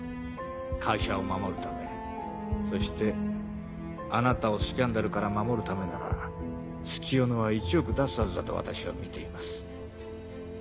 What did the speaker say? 会社を守るためそしてあなたをスキャンダルから守るためなら月夜野は１億出すはずだと私はみています。